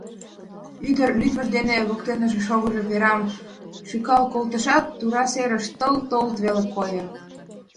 Ӱдыр лӱдмыж дене воктеныже шогышо Верам шӱкал колтышат, тура серыш пылт-полт веле койо.